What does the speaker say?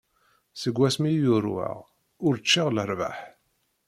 Seg wasmi i yurweɣ, ur ččiɣ lerbaḥ.